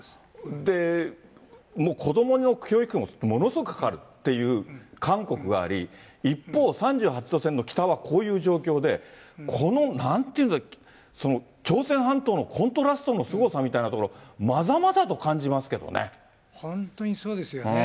で、子どもの教育もものすごくかかるっていう韓国があり、一方、３８度線の北はこういう状況で、この、なんていうか、その朝鮮半島のコントラストのすごさみたいなところをまざまざと本当にそうですよね。